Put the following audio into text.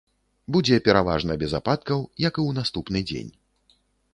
Будзе пераважна без ападкаў, як і ў наступны дзень.